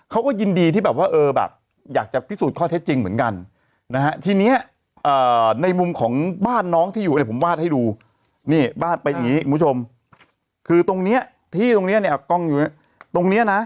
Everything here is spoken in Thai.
เขาก็ยินดีที่แบบว่าเออแบบอยากจะพิสูจน์ข้อเท็จจริงเหมือนกันนะฮะทีนี้ในมุมของบ้านน้องที่อยู่เนี่ยผมวาดให้ดูนี่บ้านเป็นอย่างนี้คุณผู้ชมคือตรงเนี้ยที่ตรงเนี้ยเนี่ยกล้องอยู่ตรงเนี้ยนะ